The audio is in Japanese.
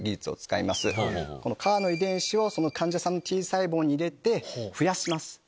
ＣＡＲの遺伝子を患者さんのＴ細胞に入れて増やします。